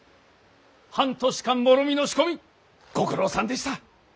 半年間もろみの仕込みご苦労さんでした。